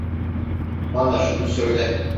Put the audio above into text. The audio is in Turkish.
Bana şunu söyle.